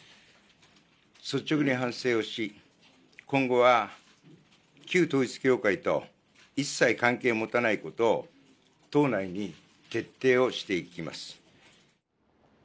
率直に反省をし今後は旧統一教会と一切関係を持たないことを党内に徹底をしていきます。